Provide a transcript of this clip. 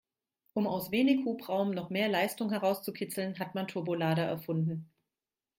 Um aus wenig Hubraum noch mehr Leistung herauszukitzeln, hat man Turbolader erfunden.